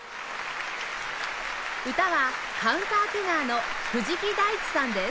歌はカウンターテナーの藤木大地さんです